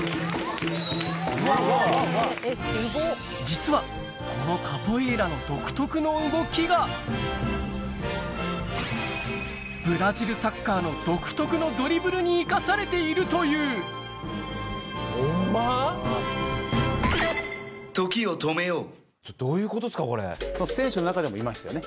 実はこのカポエイラの独特の動きがブラジルサッカーの独特のドリブルに生かされているというちょっとどういうことっすか？